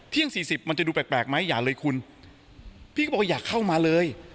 สี่สิบมันจะดูแปลกไหมอย่าเลยคุณพี่ก็บอกว่าอย่าเข้ามาเลย